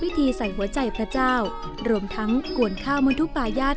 พิธีใส่หัวใจพระเจ้ารวมทั้งกวนข้าวมนุษย์ทุกป่ายาท